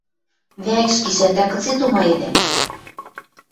— Вӓкш гишӓн тӓ кыце тумаедӓ?